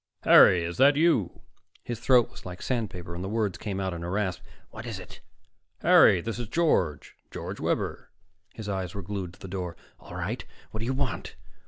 "Harry! Is that you?" His throat was like sandpaper and the words came out in a rasp. "What is it?" "Harry, this is George George Webber." His eyes were glued to the door. "All right. What do you want?"